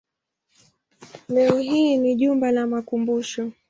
Leo hii ni jumba la makumbusho.